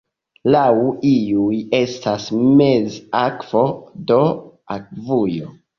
Laŭ iuj estas "meza akvo", do akvujo.